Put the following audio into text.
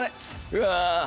うわ。